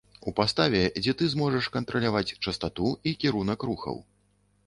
У паставе, дзе ты зможаш кантраляваць частату і кірунак рухаў.